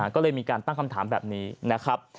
ก็เลยมีการตั้งคำถามแบบนี้นะครับ